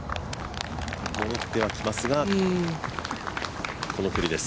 戻っては来ますが、この距離です。